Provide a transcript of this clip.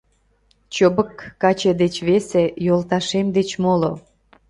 Чобык каче деч весе, йолташем деч моло